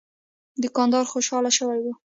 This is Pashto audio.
دوکاندار خوشاله شوی و.